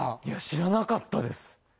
いや知らなかったです